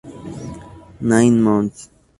Nine Months